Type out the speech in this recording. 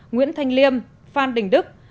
nguyễn thanh liêm phan đình đức